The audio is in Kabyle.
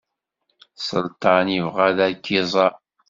Selṭan ibɣa ad ak-iẓer.